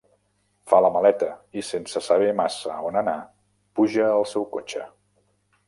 Fa la maleta, i sense saber massa on anar, puja al seu cotxe.